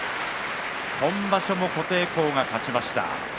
今場所も琴恵光が勝ちました。